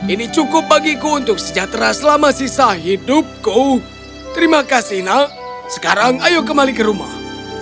ini cukup bagiku untuk sejahtera selama sisa hidupku terima kasih nak sekarang ayo kembali ke rumah